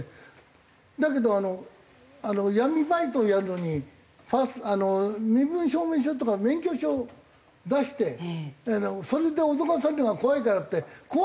だけど闇バイトをやるのに身分証明書とか免許証出してそれで脅かされるのが怖いからって。